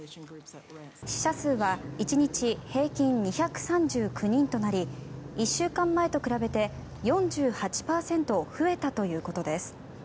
死者数は１日平均２３９人となり１週間前と比べて４８％増えたということです。